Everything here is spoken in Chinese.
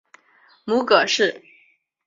母葛氏。